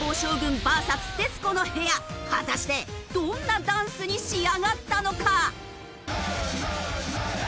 果たしてどんなダンスに仕上がったのか？